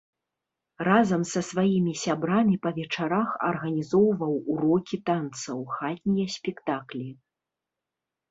Разам са сваімі сябрамі па вечарах арганізоўваў урокі танцаў, хатнія спектаклі.